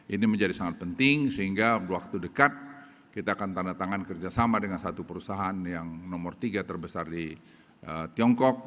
ini menjadi sangat penting sehingga waktu dekat kita akan tanda tangan kerjasama dengan satu perusahaan yang nomor tiga terbesar di tiongkok